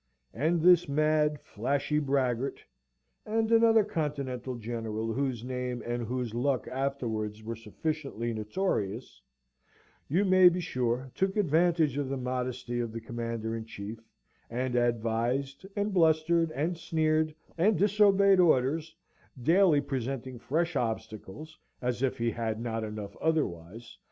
And this mad, flashy braggart (and another Continental general, whose name and whose luck afterwards were sufficiently notorious) you may be sure took advantage of the modesty of the Commander in Chief, and advised, and blustered, and sneered, and disobeyed orders; daily presenting fresh obstacles (as if he had not enough otherwise!)